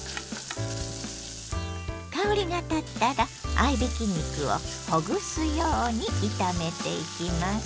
香りがたったら合いびき肉をほぐすように炒めていきます。